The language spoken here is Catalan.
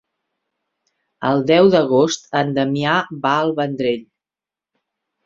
El deu d'agost en Damià va al Vendrell.